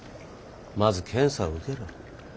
まず検査を受けろ。